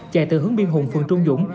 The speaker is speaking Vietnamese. chạy từ hướng biên hùng phường trung dũng